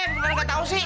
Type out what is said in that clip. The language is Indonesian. bukan nggak tau sih